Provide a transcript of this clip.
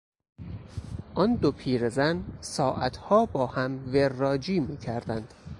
آن دو پیرزن ساعتها با هم وراجی میکردند.